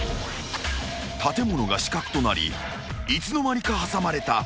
［建物が死角となりいつの間にか挟まれた］